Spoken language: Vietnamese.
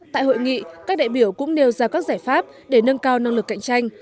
tại hội nghị các đại biểu cũng nêu ra các giải pháp để nâng cao năng lực cạnh tranh